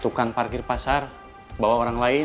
tukang parkir pasar bawa orang lain